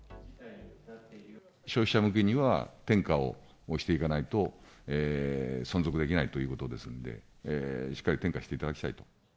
消費者向けには転嫁していかないと存続できないということですんで、しっかり転嫁していただ